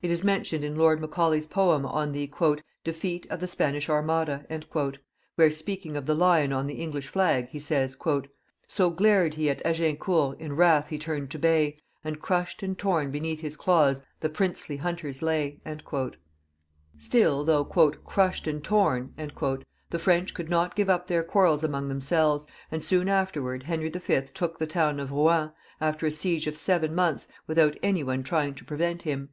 It is mentioned in Lord Macaulay's poem on the " Defeat of the Spanish Armada," where, speaking of the lion on the English flag, he say! " So glared he when at Agincourt in wrath he turned to bay ; And crushed and torn beneath his claws the princely hunters lay." xxixj CHARLES VL 197 Still, though " crushed and torn," the French could not give up their quarrels among themselves, and soon after Heniy V. took the town of Eouen, after a siege of seven months, without any one trying to prevent him.